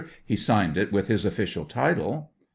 He signed it with his official title.